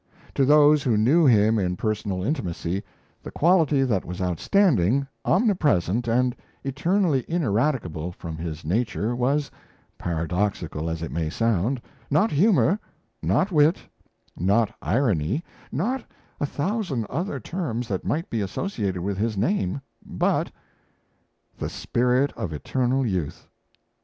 To those who knew him in personal intimacy, the quality that was outstanding, omnipresent and eternally ineradicable from his nature was paradoxical as it may sound not humour, not wit, not irony, not a thousand other terms that might be associated with his name, but the spirit of eternal youth.